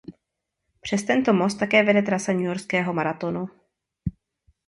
Přes tento most také vede trasa Newyorského maratonu.